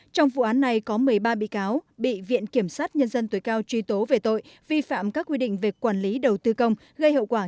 trong vụ án này có một mươi ba bị cáo bị viện kiểm sát nhân dân tối cao truy tố về tội vi phạm các quy định về quản lý đầu tư công